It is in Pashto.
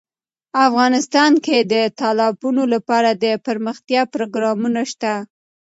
افغانستان کې د تالابونو لپاره دپرمختیا پروګرامونه شته.